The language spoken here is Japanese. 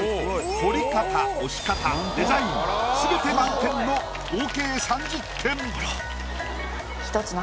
彫り方押し方デザイン全て満点の合計３０点。